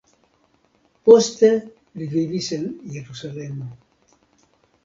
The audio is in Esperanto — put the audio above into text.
Poste li vivis en Jerusalemo.